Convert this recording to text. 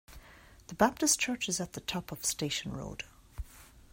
The Baptist Church is at the top of Station Road.